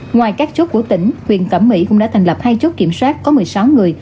ngoài các chốt của tỉnh huyện cẩm mỹ cũng đã thành lập hai chốt kiểm soát có một mươi sáu người